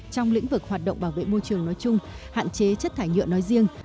trong lĩnh vực hoạt động bảo vệ môi trường nói chung hạn chế chất thải nhựa nói riêng